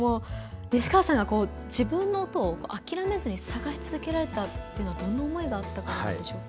西川さんが自分の音を諦めずに探し続けられたというのはどんな思いがあったからなんでしょうか？